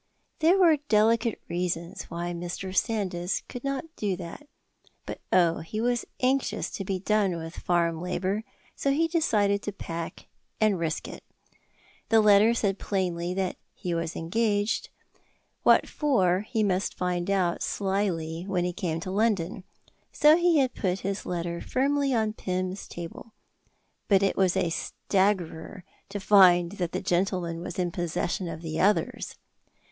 There were delicate reasons why Mr. Sandys could not do that, but oh, he was anxious to be done with farm labour, so he decided to pack and risk it. The letter said plainly that he was engaged; what for he must find out slyly when he came to London. So he had put his letter firmly on Pym's table; but it was a staggerer to find that gentleman in possession of the others.